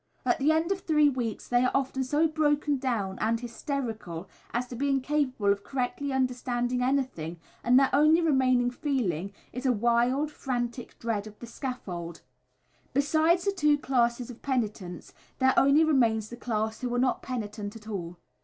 At the end of three weeks they are often so broken down and hysterical as to be incapable of correctly understanding anything, and their only remaining feeling is a wild, frantic dread of the scaffold. Besides the two classes of penitents, there only remains the class who are not penitent at all.